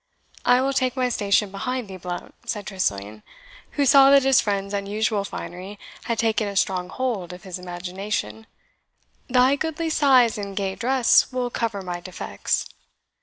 "I will take my station behind thee, Blount," said Tressilian, who saw that his friend's unusual finery had taken a strong hold of his imagination; "thy goodly size and gay dress will cover my defects."